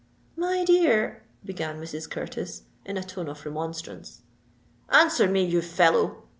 "My dear——" began Mrs. Curtis, in a tone of remonstrance. "Answer me, you fellow!"